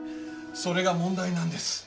それが問題なんです。